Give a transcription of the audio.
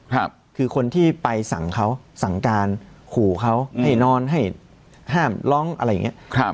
คือคนที่ไปสั่งเขาสั่งการขู่เขาให้นอนให้ห้ามร้องอะไรอย่างเงี้ยครับ